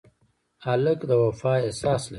هلک د وفا احساس لري.